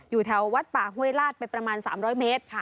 อยู่แถววัดป่าห้วยลาดไปประมาณ๓๐๐เมตร